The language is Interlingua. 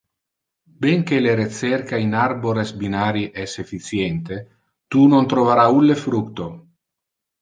Ben que le recerca in arbores binari es efficiente, tu non trovara ulle fructo.